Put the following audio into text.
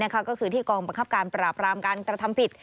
ก็คือที่กองบังคับการปราบรามการกระทำผิด